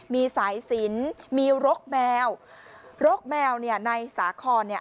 มีสายสินมีรกแมวรกแมวเนี่ยในสาครเนี่ย